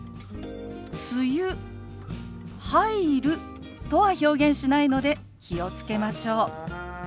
「梅雨入る」とは表現しないので気を付けましょう。